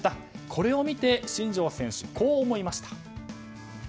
これを見て、新庄選手こう思いました。